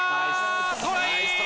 トライ！